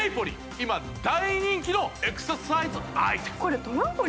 今、大人気のエクササイズアイテム。